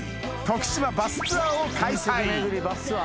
徳島バスツアーを開催